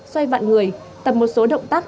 xoay vặn người tập một số động tác